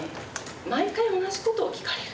「毎回同じことを聞かれる。